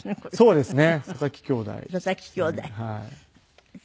そうですね。